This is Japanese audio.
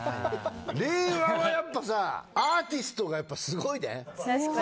令和はやっぱさアーティストがやっぱすごいね。